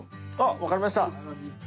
わかりました。